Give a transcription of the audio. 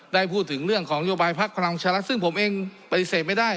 ได้พูดถึงเรื่องของนโยบายพักพลังประชารัฐซึ่งผมเองปฏิเสธไม่ได้